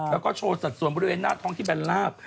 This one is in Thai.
แล้วก็โชว์สัดส่วนบริเวณหน้าท้องที่แลบ